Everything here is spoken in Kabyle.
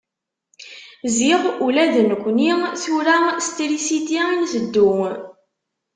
Ziɣ ula d nekni tura s trisiti i nteddu.